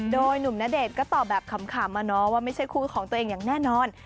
โดยหนุ่มณเดชน์ก็ตอบแบบขำว่าไม่ใช่คู่ของตัวเองอย่างแน่นอน